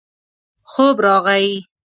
خوب راغی.